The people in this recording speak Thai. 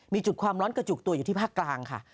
มีจุดความร้อนกระจุกตัวอยู่ที่ภาคกลางค่ะ